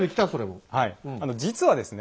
実はですね